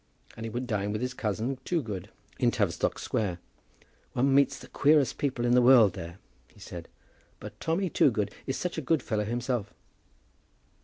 And he would dine with his cousin Toogood in Tavistock Square. "One meets the queerest people in the world there," he said; "but Tommy Toogood is such a good fellow himself!"